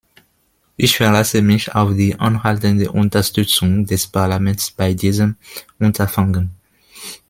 Ich verlasse mich auf die anhaltende Unterstützung des Parlaments bei diesem Unterfangen.